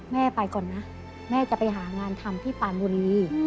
ไปก่อนนะแม่จะไปหางานทำที่ปานบุรี